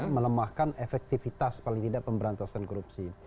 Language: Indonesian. melemahkan efektivitas paling tidak pemberantasan korupsi itu